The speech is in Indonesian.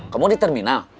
kamu di terminal